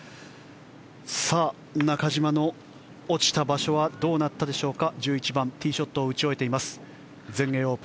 さあ、中島の落ちた場所はどうなったでしょうか。